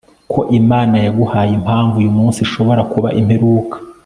ko imana yaguhaye impamvu uyumunsi ishobora kuba imperuka